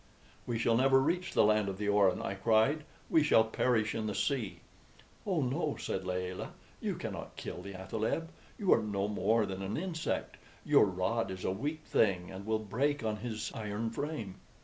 "We shall never reach the land of the Orin," I cried; "we shall perish in the sea!" "Oh no," said Layelah; "you cannot kill the athaleb. You are no more than an insect; your rod is a weak thing, and will break on his iron frame."